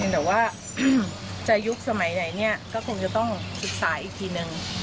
แต่ว่าจะยุคสมัยไหนเนี่ยก็คงจะต้องศึกษาอีกทีนึง